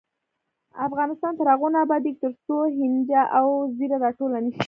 افغانستان تر هغو نه ابادیږي، ترڅو هینجه او زیره راټوله نشي.